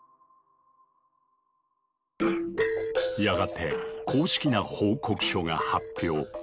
やがて公式な報告書が発表。